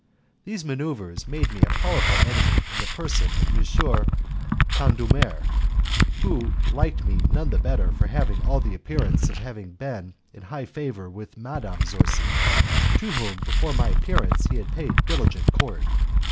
These manoeuvres made me a powerful enemy in the person of M. Condulmer, who liked me none the better for having all the appearance of being in high favour with Madame Zorzi, to whom before my appearance he had paid diligent court.